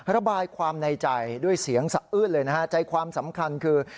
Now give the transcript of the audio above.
ระบายความในใจด้วยเสียงสะอื้นเลยนะฮะใจความสำคัญคือ